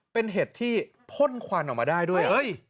เป็นเห็ดที่พ่นควันออกมาได้ด้วย